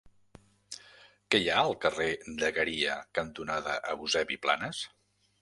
Què hi ha al carrer Dagueria cantonada Eusebi Planas?